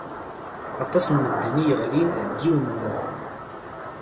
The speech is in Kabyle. Aṭas n medden i yeɣlin deg yiwen n leɣlaḍ.